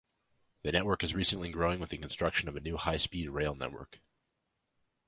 The network is recently growing with the construction of the new high-speed rail network.